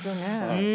うん。